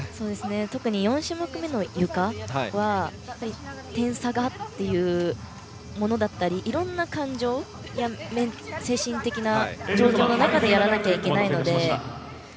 特に４種目めのゆかは点差がというものだったりいろんな感情や精神的な状況の中でやらなきゃいけないので。